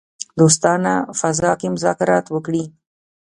دوستانه فضا کې مذاکرات وکړي.